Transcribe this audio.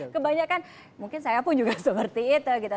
kebanyakan mungkin saya pun juga seperti itu gitu